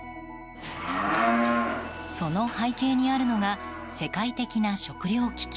その背景にあるのが世界的な食糧危機。